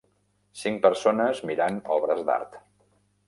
Cinc persones mirant obres d'art.